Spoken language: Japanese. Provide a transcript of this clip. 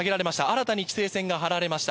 新たに規制線が張られました。